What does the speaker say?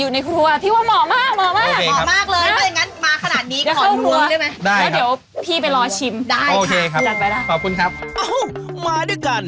แล้วตอนนี้อะคะ